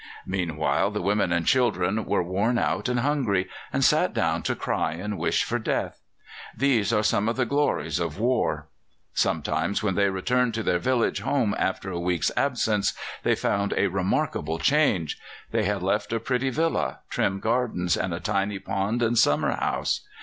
Meanwhile, the women and children were worn out and hungry, and sat down to cry and wish for death. These are some of the glories of war. Sometimes, when they returned to their village home after a week's absence, they found a remarkable change. They had left a pretty villa, trim gardens, and tiny pond and summer house.